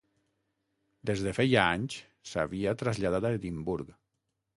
Des de feia anys s'havia traslladat a Edimburg.